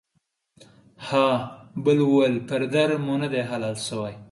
ها بل ويل پر در مو ندي حلال سوى.